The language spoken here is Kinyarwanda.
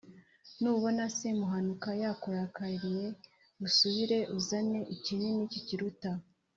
Nubona semuhanuka yakurakariye, usubireyo uzane ikinini kikiruta.